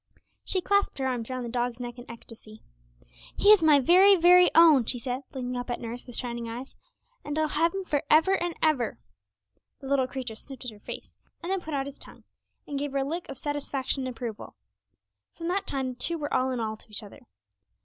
She clasped her arms round the dog's neck in ecstasy. 'He is my very, very own,' she said, looking up at nurse with shining eyes; 'and I'll have him for ever and ever.' The little creature sniffed at her face, and then put out his tongue, and gave her a lick of satisfaction and approval. From that time the two were all in all to each other.